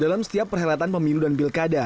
dalam setiap perhelatan pemilu dan pilkada